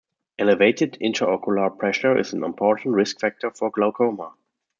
Elevated intraocular pressure is an important risk factor for glaucoma.